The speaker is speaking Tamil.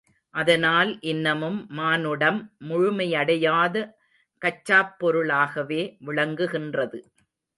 அதனால் இன்னமும் மானுடம் முழுமையடையாத கச்சாப் பொருளாகவே விளங்குகின்றது.